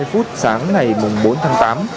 ba giờ ba mươi phút sáng ngày bốn tháng tám